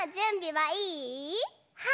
はい！